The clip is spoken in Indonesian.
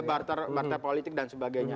kepentingan partai ada barter politik dan sebagainya